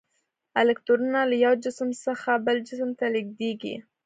الکترونونه له یو جسم څخه بل جسم ته لیږدیږي.